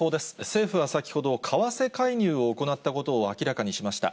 政府は先ほど、為替介入を行ったことを明らかにしました。